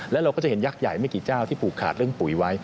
แล้วเราก็จะเห็นยักษ์ใหญ่ไม่กี่เจ้าที่ผูกขาดเรื่องปุ๋ยไว้